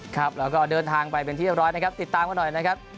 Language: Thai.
ครับแล้วก็เดินทางไปเป็นที่เรียบร้อยนะครับติดตามกันหน่อยนะครับ